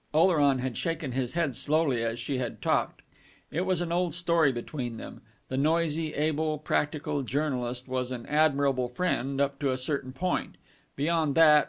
Oleron had shaken his head slowly as she had talked. It was an old story between them. The noisy, able, practical journalist was an admirable friend up to a certain point; beyond that